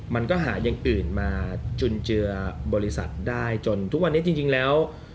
มันก็หาอย่างอื่นมาจุนเจือบริษัทได้จนทุกวันนี้จริงแล้ว